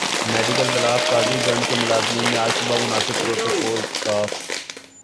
medical block Qazigund کے ملازمین نے آج صبح مناسب پروٹوکول ک